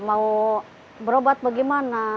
mau berobat bagaimana